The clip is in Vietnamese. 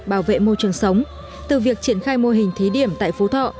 bảo vệ môi trường sống từ việc triển khai mô hình thí điểm tại phú thọ